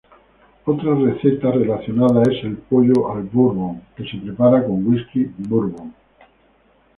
Otra receta relacionada es el pollo al "bourbon", que se prepara con whisky "bourbon".